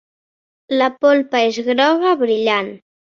La polpa és groga brillant.